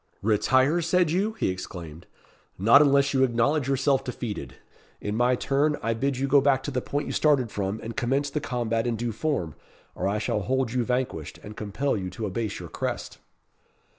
"Retire, said you?" he exclaimed; "not unless you acknowledge yourself defeated. In my turn, I bid you go back to the point you started from, and commence the combat in due form, or I shall hold you vanquished, and compel you to abase your crest."